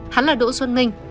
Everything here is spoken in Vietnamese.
hắn là độ xuân minh